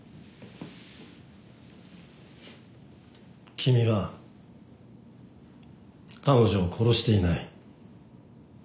君は彼女を殺していない。